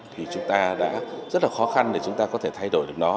thì chúng ta đã rất là khó khăn để chúng ta có thể thay đổi được nó